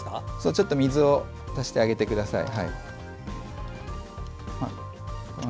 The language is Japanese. ちょっと水を足してあげてください。